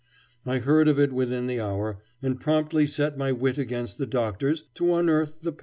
I heard of it within the hour, and promptly set my wit against the Doctor's to unearth the parrot.